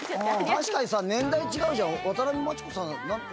確かにさ年代違うじゃん。